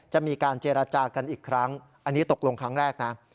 จะมีการเจรจากันอีกครั้งอันนี้ตกลงครั้งแรกนะ